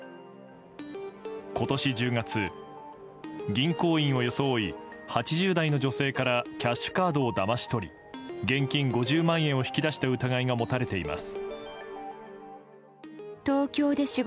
今年１０月、銀行員を装い８０代の女性からキャッシュカードをだまし取り現金５０万円を引き出した疑いが持たれています。